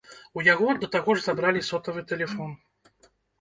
У яго да таго ж забралі сотавы тэлефон.